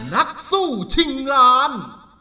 นักสู้ชิงล้าน